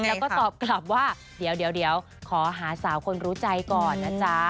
แล้วก็ตอบกลับว่าเดี๋ยวขอหาสาวคนรู้ใจก่อนนะจ๊ะ